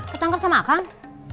ketangkep sama akang